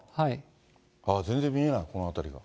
全然見えない、この辺りが。